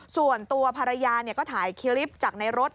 ส่วนตัวภรรยาก็ถ่ายคลิปจากในรถ